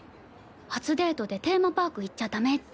初デートでテーマパーク行っちゃダメって。